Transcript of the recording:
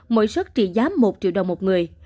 mỗi xuất trị giám một triệu đồng một người